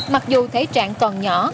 mặc dù thế trạng còn nhỏ